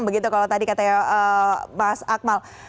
begitu kalau tadi kata mas akmal